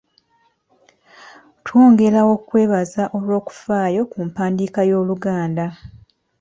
Twongera okukwebaza olw'okufaayo ku mpandiika y'Oluganda.